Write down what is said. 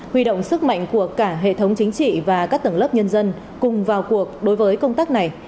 huy động sức mạnh của cả hệ thống chính trị và các tầng lớp nhân dân cùng vào cuộc đối với công tác này